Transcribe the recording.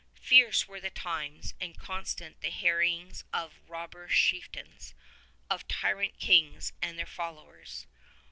Fierce were the times and constant the harry ings of rob ber chieftains, of tyrant kings and their followers.